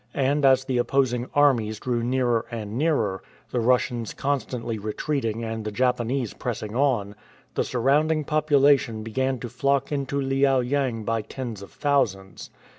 And as the opposing armies drew nearer and nearer, the Russians constantly retreating and the Japanese pressing on, the surrounding population began to flock into Liao yang by tens of thousands.